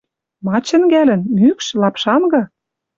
— Ма чӹнгӓлӹн: мӱкш, лапшангы?